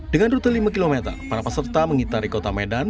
dengan rute lima km para peserta mengitari kota medan